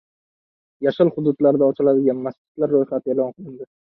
“Yashil” hududlarda ochiladigan masjidlar ro‘yxati e’lon qilindi